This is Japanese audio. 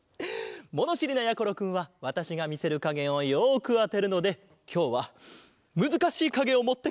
ものしりなやころくんはわたしがみせるかげをよくあてるのできょうはむずかしいかげをもってきました。